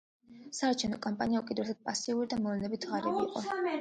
საარჩევნო კამპანია უკიდურესად პასიური და მოვლენებით ღარიბი იყო.